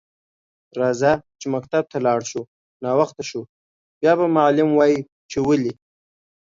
راځه چی مکتب ته لاړ شو ناوخته شو بیا به معلم وایی چی ولی